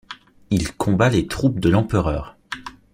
Il combat les troupes de l'Empereur.